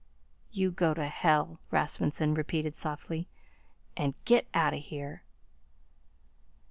"You go to hell," Rasmunsen repeated softly, "and get out of here."